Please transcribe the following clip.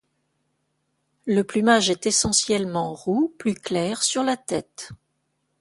Le plumage est essentiellement roux, plus clair sur la tête.